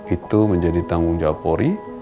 itu menjadi tanggung jawab polri